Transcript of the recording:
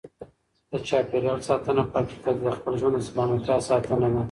د چاپیریال ساتنه په حقیقت کې د خپل ژوند د سلامتیا ساتنه ده.